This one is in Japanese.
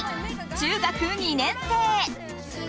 中学２年生。